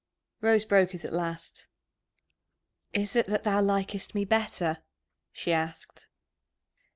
Rose broke it at last. "Is it that thou likest me better?" she asked.